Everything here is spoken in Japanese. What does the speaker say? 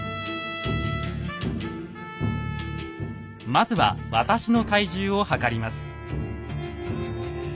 まずは私の体重を量ります。